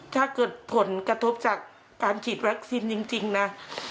ถ้าเกิดผลกระทบจากการฉีดวัคซีนจริงนะ